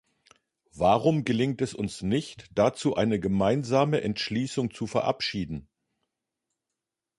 Warum gelingt es uns nicht, dazu eine gemeinsame Entschließung zu verabschieden?